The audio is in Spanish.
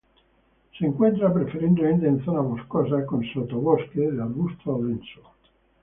Se encuentra preferentemente en zonas boscosas, con sotobosque de arbusto denso.